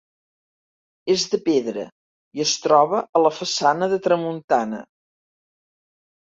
És de pedra i es troba a la façana de tramuntana.